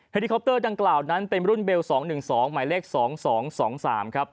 ลิคอปเตอร์ดังกล่าวนั้นเป็นรุ่นเบล๒๑๒หมายเลข๒๒๒๓ครับ